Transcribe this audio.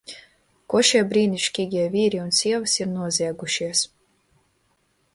Ko šie brīnišķīgie vīri un sievas ir noziegušies?